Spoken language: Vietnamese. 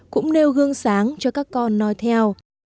cũng nêu gương sáng cho các con nói theo